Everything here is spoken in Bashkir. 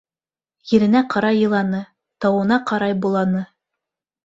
Еренә ҡарай йыланы, тауына ҡарай боланы.